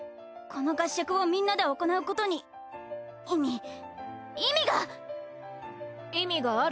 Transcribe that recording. この合宿をみんなで行うことに意味意味が！